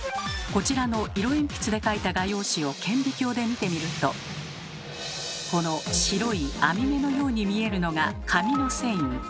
こちらの色鉛筆で描いた画用紙を顕微鏡で見てみるとこの白い網目のように見えるのが紙の繊維。